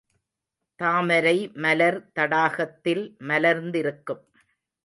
தாமரை மலர் தடாகத்தில் மலர்ந்திருக்கும்.